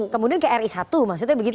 kemudian ke ri satu maksudnya begitu